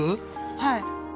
はい。